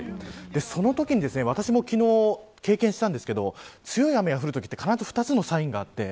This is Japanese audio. そのときに私も昨日経験したんですけど強い雨が降るときには、必ず２つのサインがあります。